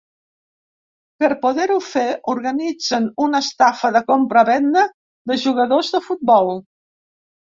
Per poder-ho fer, organitzen una estafa de compra-venda de jugadors de futbol.